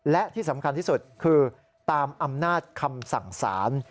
และที่สำคัญที่สุดคือตามอำนาจคำสั่งสาร